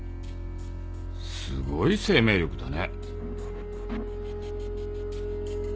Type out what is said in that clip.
すごい生命力だね。